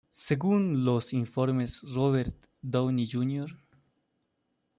Según los informes, Robert Downey Jr.